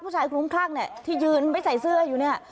ผู้ชายคลุ้มคลั่งที่ยืนไปใส่เสื้ออยู่เนี่ย